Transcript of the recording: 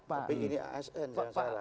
tapi ini asn kalau salah